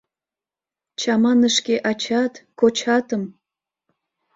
Чамане шке ачат, кочатым!